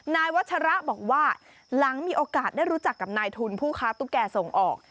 นายวัชระบอกว่าหลังมีโอกาสได้รู้จักกับนายทุนผู้ค้าตุ๊กแก่ส่งออก